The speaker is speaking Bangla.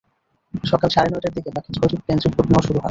সকাল সাড়ে নয়টার দিকে বাকি ছয়টি কেন্দ্রে ভোট নেওয়া শুরু হয়।